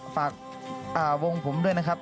เพราะว่าใจแอบในเจ้า